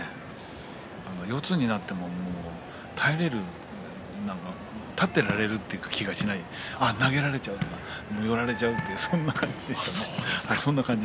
四つになっても立っていられるという気がしなくて投げられてしまうとか寄られてしまうとかそういう感じでしたね。